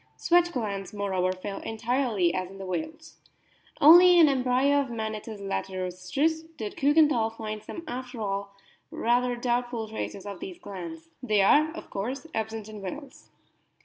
Sweat glands, moreover, fail entirely, as in whales. Only in an embryo of Manatus latirostris did Kiikenthal find some after all rather doubtful traces of these glands. They are, of course, absent in whales.